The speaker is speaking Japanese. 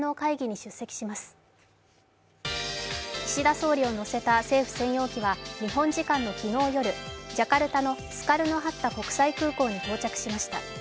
総理を乗せた政府専用機は日本時間の昨日夜、ジャカルタのスカルノ・ハッタ国際空港に到着しました。